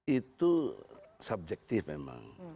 itu subjektif memang